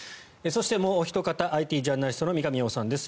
そしてもうおひと方ＩＴジャーナリストの三上洋さんです。